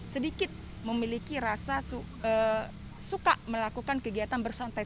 sedikit memiliki rasa suka melakukan kegiatan berbukit bukit